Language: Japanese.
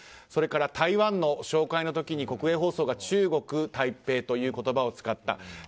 それから台湾の紹介の時に国営放送が中国台北という言葉を使った。